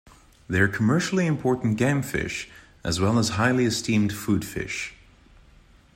They are commercially important game fish, as well as highly esteemed food fish.